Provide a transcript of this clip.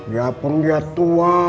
ya pun dia tua